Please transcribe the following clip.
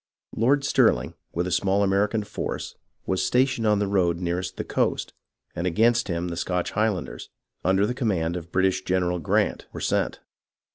Lord Stirling with a small American force was stationed on the road nearest the coast, and against him the Scotch Highlanders, under the command of the British General Grant, were sent.